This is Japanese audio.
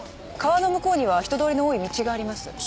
川の向こうには人通りの多い道があります。